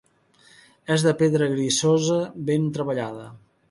És de pedra grisosa ben treballada.